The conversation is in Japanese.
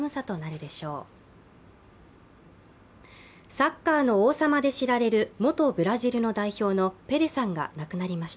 サッカーの王様で知られる元ブラジルの代表のペレさんが亡くなりました。